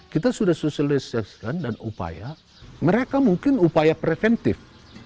kita sudah sosialisasikan dan upaya mereka mungkin upaya preventif